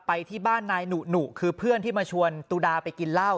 ไปที่บ้านนายหนุคือเพื่อนที่มาชวนตุดาไปกินเหล้า